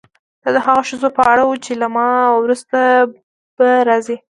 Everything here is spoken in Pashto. دا د هغو ښځو په اړه وه چې له ما وروسته به راځي.